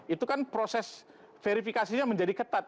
itu kan proses verifikasinya menjadi ketat